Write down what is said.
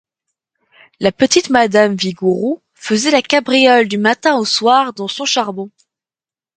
La petite madame Vigouroux faisait la cabriole du matin au soir dans son charbon.